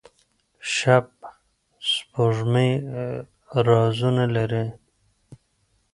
شبح سپوږمۍ رازونه لري.